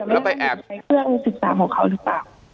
แล้วไปแอบใช้เครื่องศึกษาของเขาหรือเปล่า